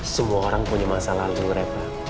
semua orang punya masa lalu mereka